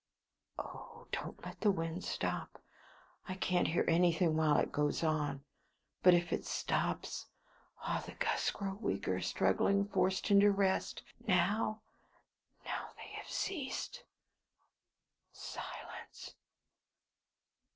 Oh! don't let the wind stop. I can't hear anything while it goes on; but if it stops! Ah! the gusts grow weaker, struggling, forced into rest. Now now they have ceased. Silence!